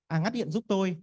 à ngắt điện giúp tôi